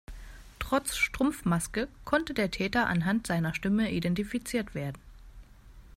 Trotz Strumpfmaske konnte der Täter anhand seiner Stimme identifiziert werden.